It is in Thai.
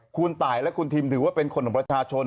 คุณตายและคุณทิมถือว่าเป็นคนของประชาชน